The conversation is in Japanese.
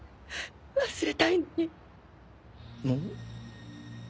忘れたいのにん？